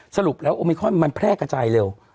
สรุปแล้วก็มันแพร่กระจายเร็ว